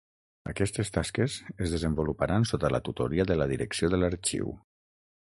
Aquestes tasques es desenvoluparan sota la tutoria de la direcció de l'arxiu.